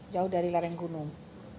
jauh dari lereng gunung